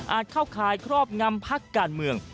เข้าข่ายครอบงำพักการเมือง